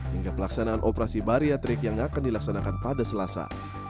hingga pelaksanaan operasi bariatrik yang akan dilaksanakan pada selasa